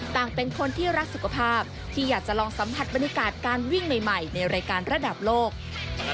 เป็นคนที่รักสุขภาพที่อยากจะลองสัมผัสบรรยากาศการวิ่งใหม่ในรายการระดับโลก